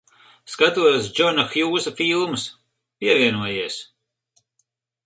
Skatos Džona Hjūsa filmas. Pievienojies.